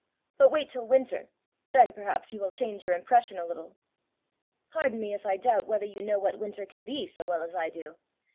But wait till winter! Then perhaps you will change your impression a little." "Pardon me if I doubt whether you know what winter can be so well as I do.